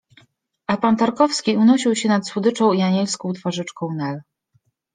A pan Tarkowski unosił sie nad słodyczą i anielską twarzyczką Nel.